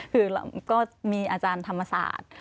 คือเราก็มีอาจารย์ธรรมศาสตร์